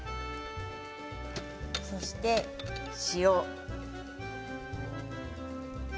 そして塩。